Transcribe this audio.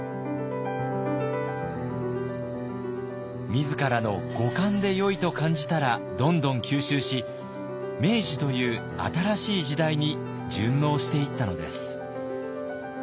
自らの五感でよいと感じたらどんどん吸収し明治という新しい時代に順応していったのです。